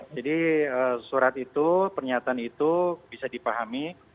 jadi surat itu pernyataan itu bisa dipahami